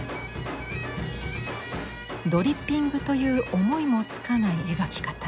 ドリッピングという思いもつかない描き方。